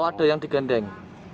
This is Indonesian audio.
ya ada yang digendeng